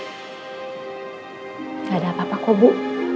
tidak ada apa apa kok bu